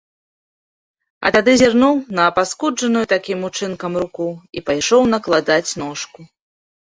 А тады зірнуў на апаскуджаную такім учынкам руку і пайшоў накладаць ношку.